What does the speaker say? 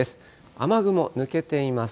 雨雲、抜けています。